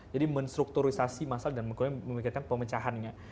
jadi menstrukturisasi masalah dan memikirkan pemecahannya